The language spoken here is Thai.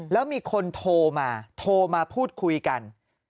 แล้วมีคนโทรมาโทรมาพูดคุยกัน